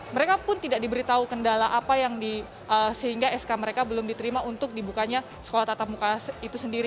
mereka pun tidak diberitahu kendala apa yang sehingga sk mereka belum diterima untuk dibukanya sekolah tatap muka itu sendiri